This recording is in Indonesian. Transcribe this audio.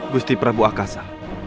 gusti prabu akasa